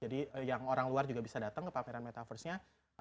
jadi yang orang luar juga bisa datang ke pameran metaverse nya